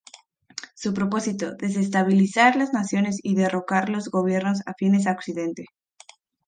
Su propósito, desestabilizar las naciones y derrocar los gobiernos afines a Occidente.